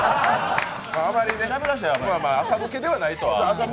あまり朝向けではないと。